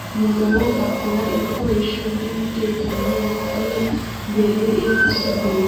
Umugabo akora ibikoresho byumutekano bikwiye mbere yo gusudira